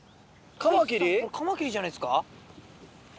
カマキリじゃないですか？